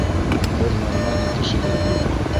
Бер нормальный кешегеҙ юҡ!